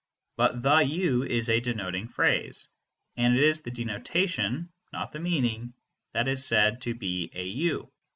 But "the u" is a denoting phrase, and it is the denotation, not the meaning, that is said to be a u.